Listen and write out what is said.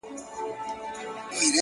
نړوم غرونه د تمي ـ له اوږو د ملایکو ـ